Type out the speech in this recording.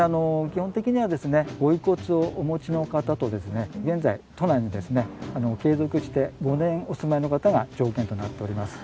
基本的にはですねご遺骨をお持ちの方とですね現在都内にですね継続して５年お住まいの方が条件となっております。